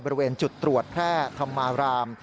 บริเวณจุดตรวจแพร่ธรรมาราม